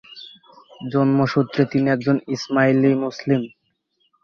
জন্মসূত্রে তিনি একজন ইসমাইলি মুসলিম।